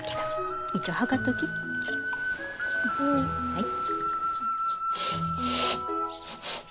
はい。